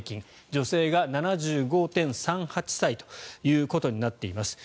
女性が７５．３８歳ということになっています。